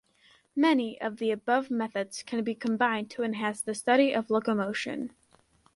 Many of the above methods can be combined to enhance the study of locomotion.